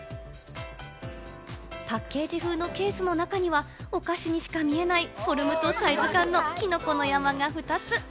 パッケージ風のケースの中には、お菓子にしか見えないフォルムとサイズ感のきのこの山が２つ。